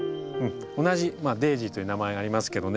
同じデージーという名前がありますけどね。